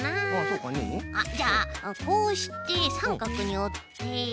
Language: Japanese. じゃあこうしてさんかくにおって。